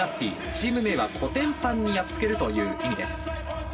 チーム名はコテンパンにやっつけるという意味です。